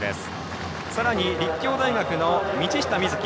さらに立教大学の道下美槻。